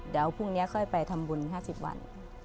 เดี๋ยวพรุ่งนี้ค่อยไปทำบุญ๕๐วัน